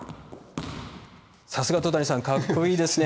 さすが戸谷さんかっこいいですね。